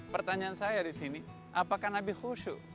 pertanyaan saya disini apakah nabi khusyuk